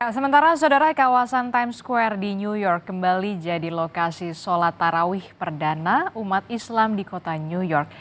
sementara saudara kawasan times square di new york kembali jadi lokasi sholat tarawih perdana umat islam di kota new york